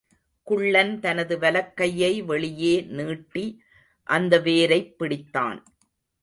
குள்ளன் தனது வலக்கையை வெளியே நீட்டி அந்த வேரைப் பிடித்தான்.